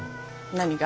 何が？